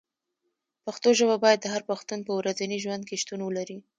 پښتو ژبه باید د هر پښتون په ورځني ژوند کې شتون ولري.